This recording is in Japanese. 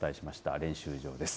練習場です。